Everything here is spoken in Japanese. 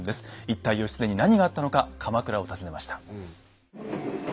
一体義経に何があったのか鎌倉を訪ねました。